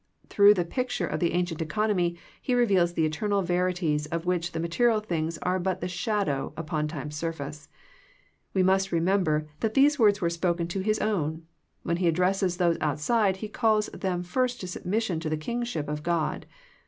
Through the picture of the ancient economy He reveals the eternal verities of which the material things are but the shadow upon time's surface. We must remember that these words were spoken to His own. When He addresses those outside He calls them first to submission to the Kingship of God.